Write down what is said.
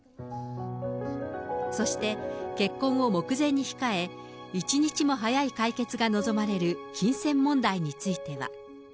そして、結婚を目前に控え、一日も早い解決が望まれる金銭問題については。